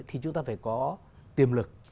thì chúng ta phải có tiềm lực